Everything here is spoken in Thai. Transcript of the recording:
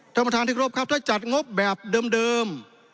ธรรมทางที่ครบครับถ้าจัดงบแบบเดิม